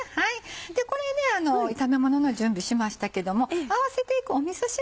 これで炒めものの準備しましたけども合わせていくみそ汁